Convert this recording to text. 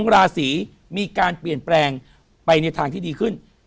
ราศีมีการเปลี่ยนแปลงไปในทางที่ดีขึ้น